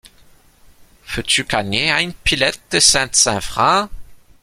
Feux-tu cagner ein pilet te sainte saint vrancs?